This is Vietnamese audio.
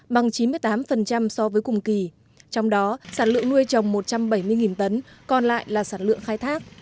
bằng chín mươi tám so với cùng kỳ trong đó sản lượng nuôi trồng một trăm bảy mươi tấn còn lại là sản lượng khai thác